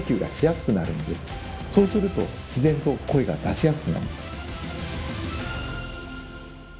そうすると自然と声が出しやすくなります。